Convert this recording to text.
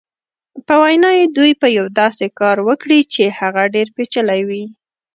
په وینا یې دوی به یو داسې کار وکړي چې هغه ډېر پېچلی وي.